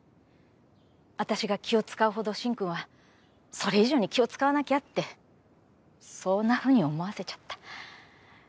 私が気を使うほど進くんはそれ以上に気を使わなきゃってそんなふうに思わせちゃった。